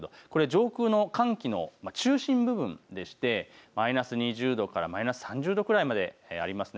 上空の寒気の中心部分でしてマイナス２０度からマイナス３０度くらいまであります。